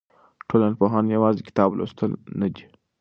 ټولنپوهنه یوازې د کتاب لوستل نه دي.